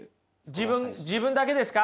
自分だけですか？